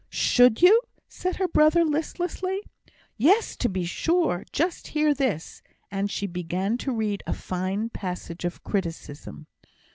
"Should you?" said her brother, listlessly. "Yes, to be sure! Just hear this!" and she began to read a fine passage of criticism.